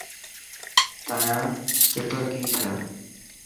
تايان پيپر ڪين ٿيا؟